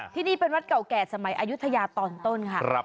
ที่นี่เป็นวัดเก่าแก่สมัยอายุทยาตอนต้นค่ะ